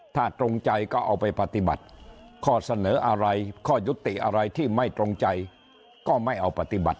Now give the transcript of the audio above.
ถ้าตรงใจก็เอาไปปฏิบัติข้อเสนออะไรข้อยุติอะไรที่ไม่ตรงใจก็ไม่เอาปฏิบัติ